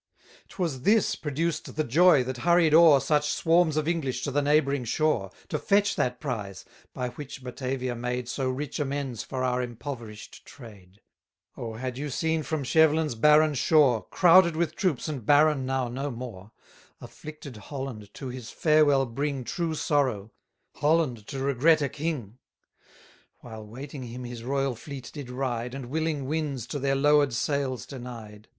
'Twas this produced the joy that hurried o'er Such swarms of English to the neighbouring shore, To fetch that prize, by which Batavia made So rich amends for our impoverish'd trade. Oh! had you seen from Schevelin's barren shore, (Crowded with troops, and barren now no more,) 220 Afflicted Holland to his farewell bring True sorrow, Holland to regret a king! While waiting him his royal fleet did ride, And willing winds to their lower'd sails denied.